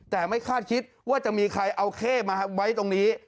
แต่ไม่คาดคิดว่าจะมีใครเอาเข้มาไว้ตรงนี้